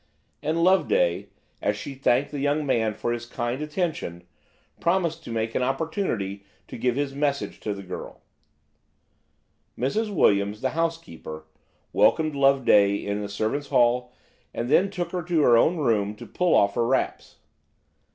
And Loveday, as she thanked the young man for his kind attention, promised to make an opportunity to give his message to the girl. Mrs. Williams, the housekeeper, welcomed Loveday in the servants' hall, and then took her to her own room to pull off her wraps.